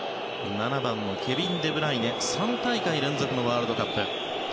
７番のケビン・デブライネ３大会連続のワールドカップ。